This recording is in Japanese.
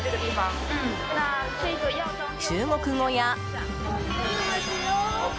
中国語や。